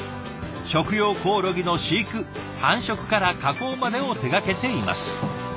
食用コオロギの飼育繁殖から加工までを手がけています。